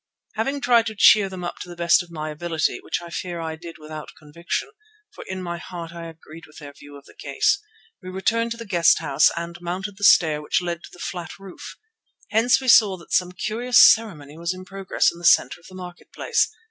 Having tried to cheer them up to the best of my ability, which I fear I did without conviction, for in my heart I agreed with their view of the case, we returned to the guest house and mounted the stair which led to the flat roof. Hence we saw that some curious ceremony was in progress in the centre of the market place.